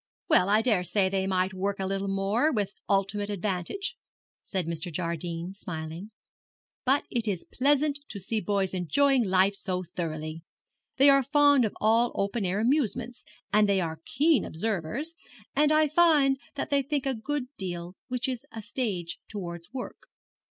'Well, I daresay they might work a little more, with ultimate advantage,' said Mr. Jardine, smiling; 'but it is pleasant to see boys enjoy life so thoroughly. They are fond of all open air amusements, and they are keen observers, and I find that they think a good deal, which is a stage towards work.'